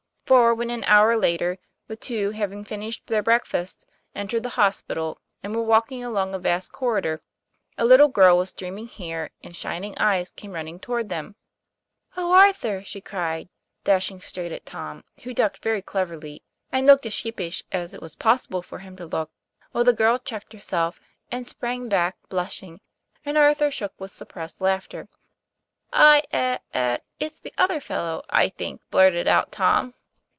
For when, an hour later, the two, having fin ished their breakfast, entered the hospital, and were walking along a vast corridor, a little girl with stream ing hair and shining eyes came running toward them. u it TOM PL A YFAIR. 149 :i O Arthur," she cried, dashing straight at Tom, who ducked very cleverly, and looked as sheepish as it was possible for him to look, while the girl checked herself and sprang back, blushing, and Arthur shook with suppressed laughter. " I eh eh it's the other fellow, I think," blurted Tom.